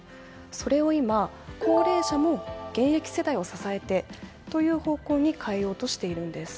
それを今、高齢者も現役世代を支えてという方向に変えようとしているんです。